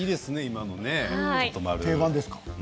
定番ですか？